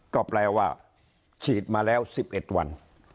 ก็แปลว่าฉีดมาแล้ว๑๑วัน